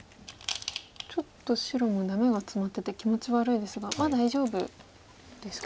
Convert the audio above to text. ちょっと白もダメがツマってて気持ち悪いですがまあ大丈夫ですか。